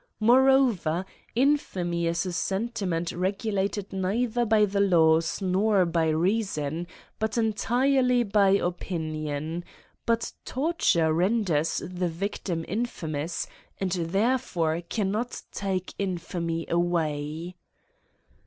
More over, infamy is a sentiment regulated neither by the laws nor by reason, but entirely by opinion ; but torture renders the victim infamous, and there fore cannot take infamy away.